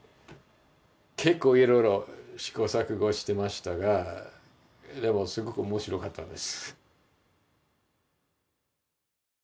結構いろいろ試行錯誤していましたがでもすごく面白かったです。